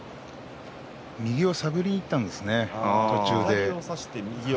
右を探りにいったんですね。